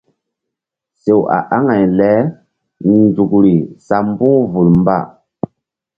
Sew a aŋay lenzukri sa mbu̧h vul mba.